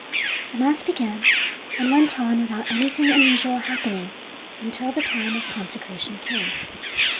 The mass began, and went on without anything unusual happening until the time of consecration came.